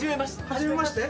初めまして。